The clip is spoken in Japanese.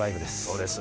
そうです。